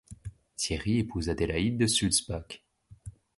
Thierry épouse Adélaïde de Sulzbach.